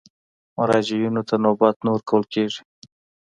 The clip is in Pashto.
مراجعینو ته نوبت نه ورکول کېږي.